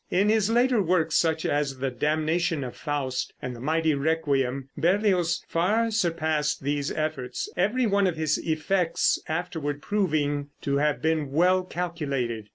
In his later works, such as the "Damnation of Faust," and the mighty Requiem, Berlioz far surpassed these efforts, every one of his effects afterward proving to have been well calculated.